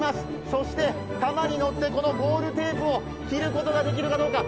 そしてこのゴールテープを切ることができるかどうか。